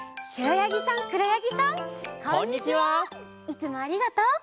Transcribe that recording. いつもありがとう！